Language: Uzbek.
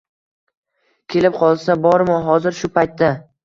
Kelib qolsa bormi, hozir… shu paytda…